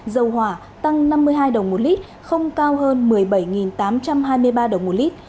dầu hỏa tăng năm mươi hai đồng một lít không cao hơn một mươi bảy tám trăm hai mươi ba đồng một lít